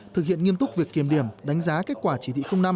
thực hiện nghiêm túc việc kiểm điểm đánh giá kết quả chỉ thị năm